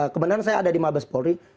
kebenaran saya ada di mabes polri